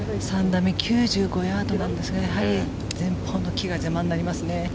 ３打目９５ヤードなんですがやはり前方の木が邪魔になりますね。